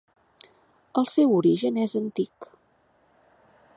El seu origen és antic.